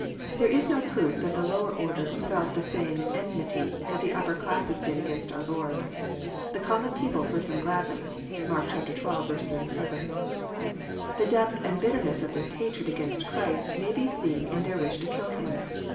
There is no proof that the Tourer orders felt the same enmity that the upper classes did against our Lord. " The common people heard Him gladly»l* (Mark xii. 87.) The depth and bitterness of this hatred against Christ may be seen in their wish to kill Him.